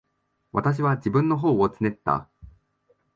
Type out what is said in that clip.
私は自分の頬をつねった。